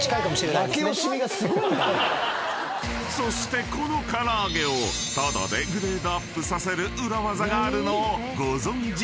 ［そしてこのから揚げをタダでグレードアップさせる裏ワザがあるのをご存じだろうか？］